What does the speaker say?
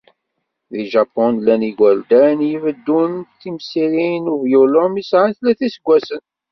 Deg Japun llan yigerdan i ibeddun timsirin uvyulu mi sεan tlata iseggasen.